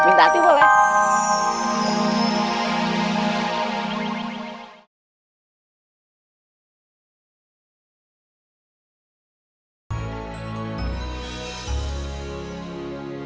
bila kau kelihatan sedih